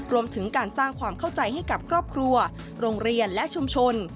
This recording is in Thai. รวมถึงการสร้างความเข้าใจให้กับครอบครัวโรงเรียนและชุมชน